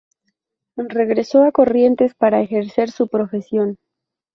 Regresó a Corrientes para ejercer su profesión.